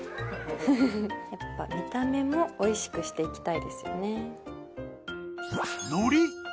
やっぱ見た目もおいしくして行きたいですよね。